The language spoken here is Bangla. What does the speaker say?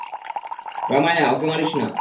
রাম্যায়া, ওকে মারিস না।